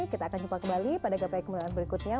kita akan jumpa kembali pada gapai kemuliaan berikutnya